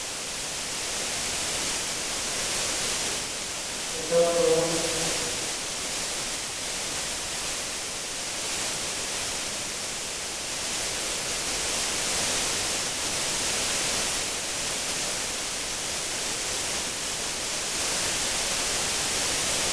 El mejor primero de la fase de grupos clasificará automáticamente a la semifinal.